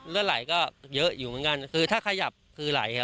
เลือดไหลก็เยอะอยู่เหมือนกันคือถ้าขยับคือไหลครับ